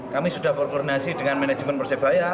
kami sudah berkoordinasi dengan manajemen persebaya